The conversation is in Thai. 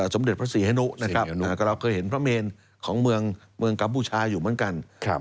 สมเด็จพระศรีฮนุนะครับเราเคยเห็นพระเมนของเมืองกัมพูชาอยู่เหมือนกัน